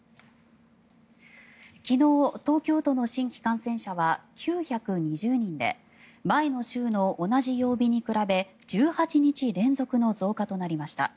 昨日、東京都の新規感染者は９２０人で前の週の同じ曜日に比べ１８日連続の増加となりました。